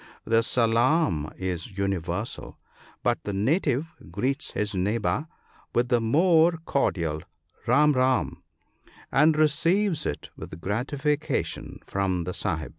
The " salaam " is universal ; but the native greets his neighbour with the more cordial " ram ram," and receives it with gratification from the Sahib.